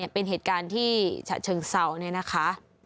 เป็นเหตุการณ์ที่ชัดเชิงเสาร์เลยนะคะ